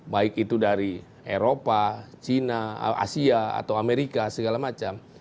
baik itu dari eropa china asia atau amerika segala macam